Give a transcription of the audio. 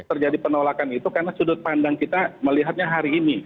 terjadi penolakan itu karena sudut pandang kita melihatnya hari ini